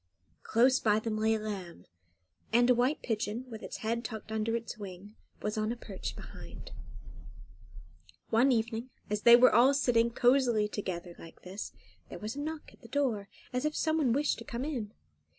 Close by them lay a lamb, and a white pigeon, with its head tucked under its wing, was on a perch behind. One evening, as they were all sitting cosily together like this, there was a knock at the door, as if someone wished to come in.